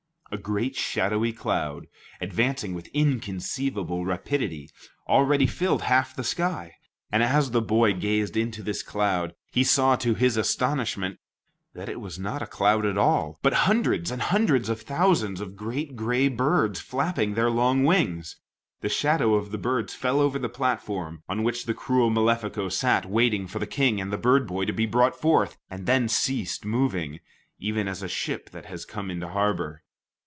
A great shadowy cloud, advancing with inconceivable rapidity, already filled half the sky, and as the boy gazed into this cloud, he saw to his astonishment that it was not a cloud at all, but hundreds and hundreds of thousands of great gray birds, flapping their long wings. The shadow of the birds fell over the platform on which the cruel Malefico sat waiting for the King and the bird boy to be brought forth, and then ceased moving even as a ship that has come into harbor.